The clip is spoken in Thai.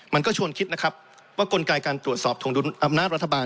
มันก็ชวนคิดนะครับว่ากลไกการตรวจสอบถงดุลอำนาจรัฐบาล